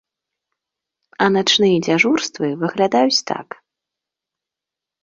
А начныя дзяжурствы выглядаюць так.